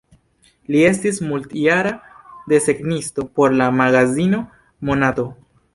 Li estis multjara desegnisto por la magazino Monato.